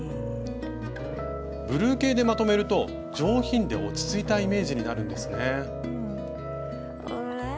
ブルー系でまとめると上品で落ち着いたイメージになるんですね。